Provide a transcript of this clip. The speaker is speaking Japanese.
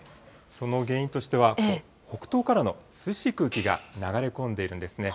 その原因としては、北東からの涼しい空気が流れ込んでいるんですね。